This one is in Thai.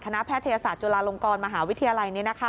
แพทยศาสตร์จุฬาลงกรมหาวิทยาลัย